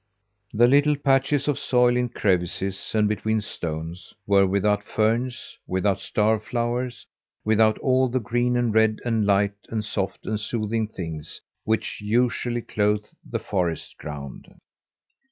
The little patches of soil in crevices and between stones were without ferns, without star flowers, without all the green and red and light and soft and soothing things which usually clothe the forest ground.